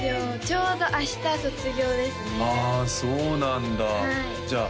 ちょうど明日卒業ですねああそうなんだじゃあ